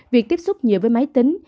việc tiếp xúc nhiều với máy tính